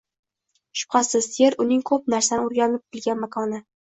Shubhasiz, Yer uning ko‘p narsani o‘rganib bilgan makoni